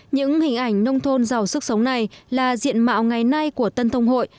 những hình ảnh nông thôn giàu sức sống này là diện mạo ngày nay của tân thông hội